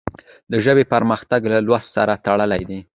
د ژبې پرمختګ له لوست سره تړلی دی.